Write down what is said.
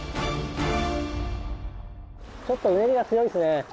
ちょっとうねりが強いですね。